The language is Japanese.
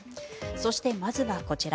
そして、まずはこちら。